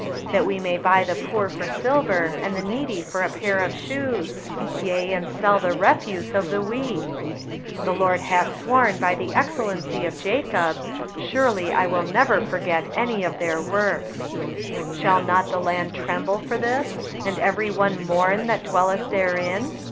8:6 That we may buy the poor for silver, and the needy for a pair of shoes; yea, and sell the refuse of the wheat? 8:7 The LORD hath sworn by the excellency of Jacob, Surely I will never forget any of their works. 8:8 Shall not the land tremble for this, and every one mourn that dwelleth therein?